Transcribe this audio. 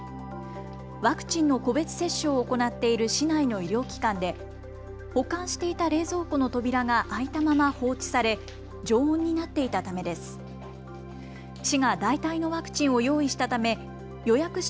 ワクチンの個別接種を行っている市内の医療機関で保管していた冷蔵庫の扉が開いたまま放置され常温になっていたためです。